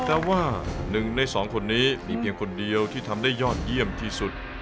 แต่ว่า๑ใน๒คนนี้มีเพียงคนเดียวที่ทำได้ยอดเยี่ยมที่สุด